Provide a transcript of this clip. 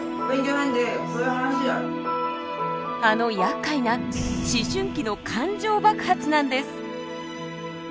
あのやっかいな思春期の感情爆発なんです。